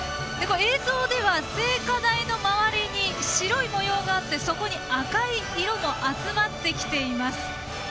映像では聖火台の周りに白い模様があってそこに赤い色も集まってきています。